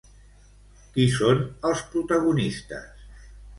Qui són els protagonistes?